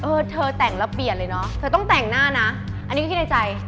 เออเธอแต่งแล้วเปลี่ยนเลยเนอะเธอต้องแต่งหน้านะอันนี้ก็คิดในใจ